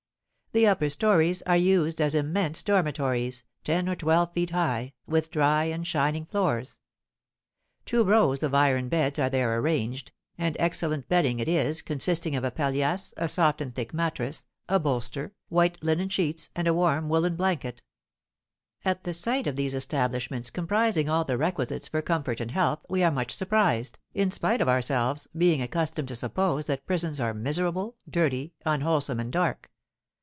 The upper stories are used as immense dormitories, ten or twelve feet high, with dry and shining floors; two rows of iron beds are there arranged, and excellent bedding it is, consisting of a palliasse, a soft and thick mattress, a bolster, white linen sheets, and a warm woollen blanket. At the sight of these establishments, comprising all the requisites for comfort and health, we are much surprised, in spite of ourselves, being accustomed to suppose that prisons are miserable, dirty, unwholesome, and dark.